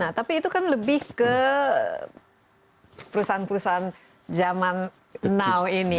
nah tapi itu kan lebih ke perusahaan perusahaan zaman now ini